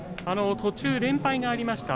途中、連敗がありました。